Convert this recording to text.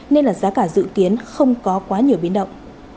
nên là giá cả dự kiến không có quá nhiều biến động